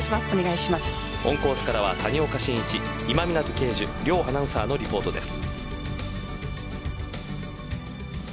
オンコースからは谷岡慎一今湊敬樹、両アナウンサーのリポートです。